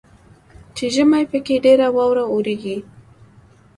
چې ژمي پکښې ډیره واوره اوریږي.